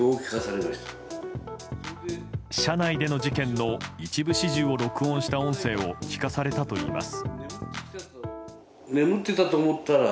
車内での事件の一部始終を録音した音声を聞かされたといいます。